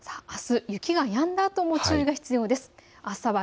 あす、雪がやんだあとも注意が必要です。